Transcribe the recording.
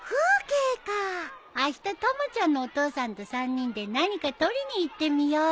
あしたたまちゃんのお父さんと３人で何か撮りに行ってみようよ。